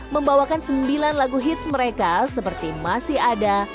membawakan sembilan lagu hits mereka seperti masih ada